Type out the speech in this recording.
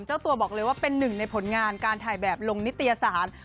เจ้าตัวบอกเลยว่าเป็นหนึ่งในผลงานการถ่ายแบบลงนิตยสาร